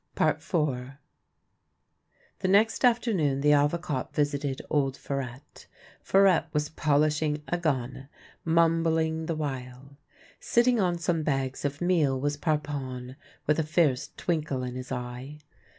IV The next afternoon the Avocat visited old Farette. Farette was polishing a gun, mumbling the while. Sitting on some bags of meal was Parpon, with a fierce twinkle in his eye.